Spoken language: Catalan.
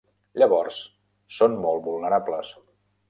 Llavors són molt vulnerables.